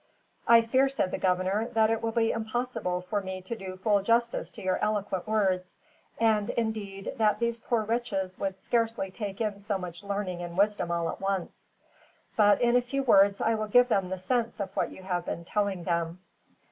"I fear," said the governor, "that it will be impossible for me to do full justice to your eloquent words; and, indeed, that these poor wretches would scarcely take in so much learning and wisdom all at once; but in a few words I will give them the sense of what you have been telling them."